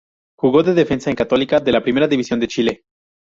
Jugó de defensa en la Católica de la Primera División de Chile.